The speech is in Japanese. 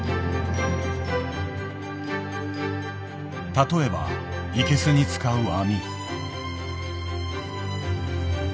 例えばイケスに使う網。